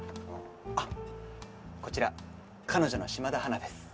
あっこちら彼女の島田華です。